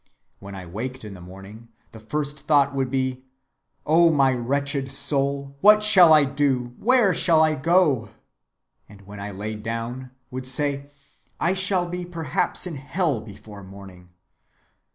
When I waked in the morning, the first thought would be, Oh, my wretched soul, what shall I do, where shall I go? And when I laid down, would say, I shall be perhaps in hell before morning.